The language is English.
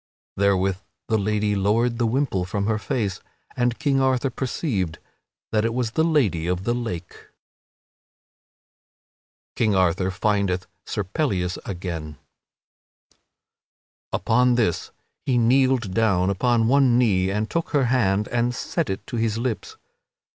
Therewith the lady lowered the wimple from her face and King Arthur perceived that it was the Lady of the Lake. [Sidenote: King Arthur findeth Sir Pellias again] Upon this he kneeled down upon one knee and took her hand and set it to his lips.